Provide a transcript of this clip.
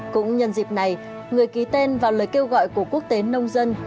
cũng nhân dịp này người ký tên vào lời kêu gọi của quốc tế nông dân